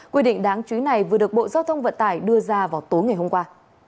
quy định đáng chú ý này vừa được bộ giao thông vận tải đưa ra vào tối ngày hôm qua